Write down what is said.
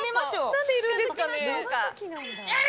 なんでいるんですかね。